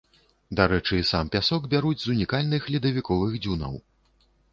Дарэчы, сам пясок бяруць з унікальных ледавіковых дзюнаў.